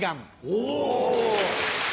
おぉ！